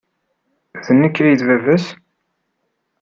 D nekk ay d baba-s?